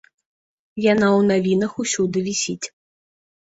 Яна ў навінах усюды вісіць.